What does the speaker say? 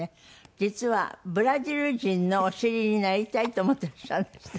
実はブラジル人のお尻になりたいと思ってらっしゃるんですって？